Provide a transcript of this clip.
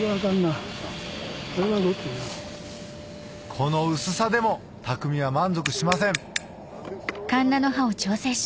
この薄さでも匠は満足しません